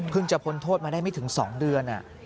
จะพ้นโทษมาได้ไม่ถึง๒เดือน